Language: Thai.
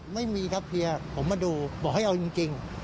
ไม่มีครับเฮียผมมาดูบอกให้เอาจริง